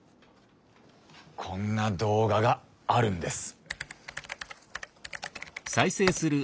こんな動画があるんです。